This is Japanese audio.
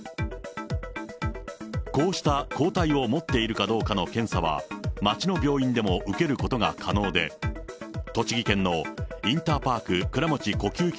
こうした抗体を持っているかどうかの検査は、街の病院でも受けることが可能で、栃木県のインターパーク倉持呼吸器